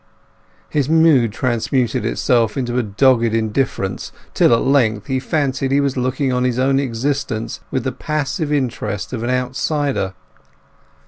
His mood transmuted itself into a dogged indifference till at length he fancied he was looking on his own existence with the passive interest of an outsider.